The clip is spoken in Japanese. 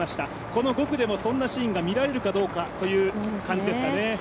この５区でもそんなシーンが見られるかどうかというところですね。